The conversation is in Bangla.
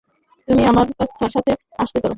তুমি আমার সাথে আসতে পারো।